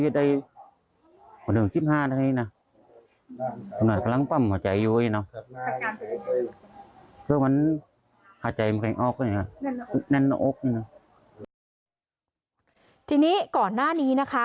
ทีนี้ก่อนหน้านี้นะคะ